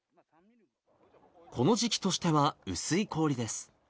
この時季としては薄い氷です。